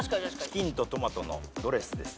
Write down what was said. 「チキンとトマトのドレスです」